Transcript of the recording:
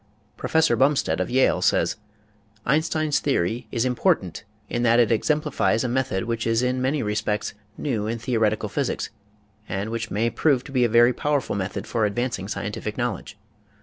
Professor Bumstead of Yale says: Einstein's theory is important in that it exemplifies a method which is in many respects new in theoretical physics and which may prove to be a very powerful method for advancing scientific knowledge.